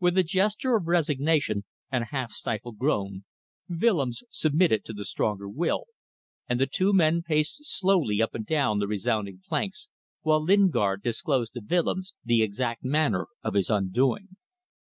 With a gesture of resignation and a half stifled groan Willems submitted to the stronger will, and the two men paced slowly up and down the resounding planks, while Lingard disclosed to Willems the exact manner of his undoing.